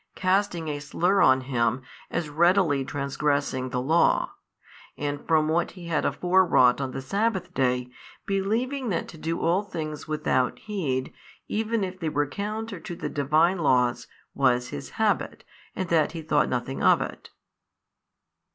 casting a slur on Him as readily transgressing the Law, and from what He had afore wrought on the sabbath day, believing that to do all things without heed, even if they were counter to the Divine laws, was His habit and that He thought nothing of it.